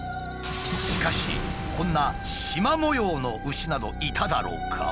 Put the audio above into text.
しかしこんなシマ模様の牛などいただろうか？